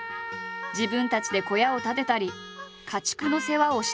自分たちで小屋を建てたり家畜の世話をしたり。